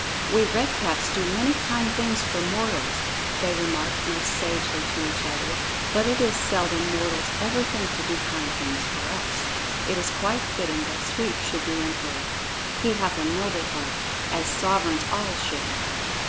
"We Red Caps do many kind things for mortals," they remarked most sagely to each other, "but it is seldom mortals ever think to do kind things for us. It is quite fitting that Sweep should be Emperor; he hath a noble heart, as sovereigns all should have."